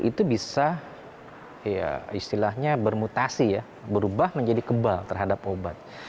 itu bisa ya istilahnya bermutasi ya berubah menjadi kebal terhadap obat